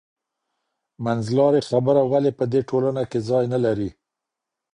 منځلارې خبره ولي په دې ټولنه کي ځای نه لري؟